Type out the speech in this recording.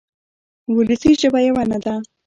وولسي ژبه یوه نه ده.